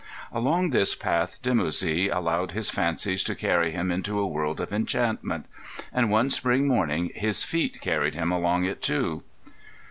Along this path Dimoussi allowed his fancies to carry him into a world of enchantment; and one spring morning his feet carried him along it, too.